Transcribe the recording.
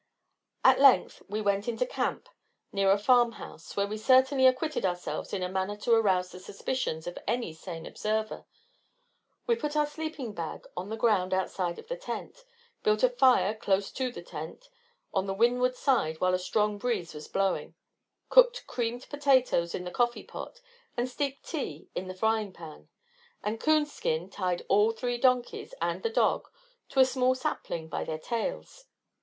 At length we went into camp near a farm house, where we certainly acquitted ourselves in a manner to arouse the suspicions of any sane observer. We put our sleeping bag on the ground outside of the tent, built a fire close to the tent on the windward side while a strong breeze was blowing, cooked creamed potatoes in the coffee pot, and steeped tea in the frying pan; and Coonskin tied all three donkeys and the dog to a small sapling by their tails.